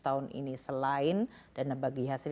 tahun ini selain dana bagi hasil